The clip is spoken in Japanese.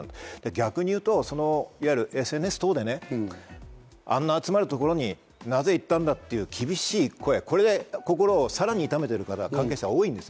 逆にいうとＳＮＳ等であんな集まる所になぜ行ったんだっていう厳しい声これで心をさらに痛めてる方関係者多いんです。